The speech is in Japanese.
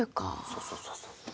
そうそうそうそう。